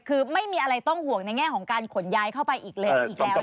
คือไม่มีอะไรต้องห่วงในแง่ของการขนย้ายเข้าไปอีกแล้ว